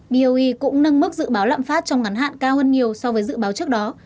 boe cũng nâng mức dự báo lạm phát trong ngắn hạn cao hơn nhiều so với dự báo trước đó